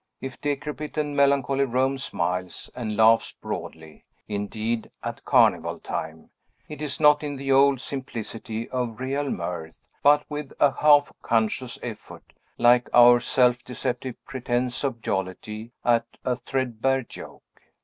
If decrepit and melancholy Rome smiles, and laughs broadly, indeed, at carnival time, it is not in the old simplicity of real mirth, but with a half conscious effort, like our self deceptive pretence of jollity at a threadbare joke.